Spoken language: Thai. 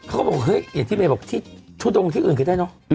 อย่างที่เมย์บอกว่าชุดร่วงที่อื่นก็ได้เนอะ